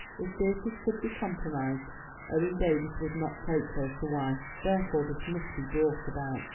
If Beatrice could be compromised, Owen Davies would not take her to wife—therefore this must be brought about.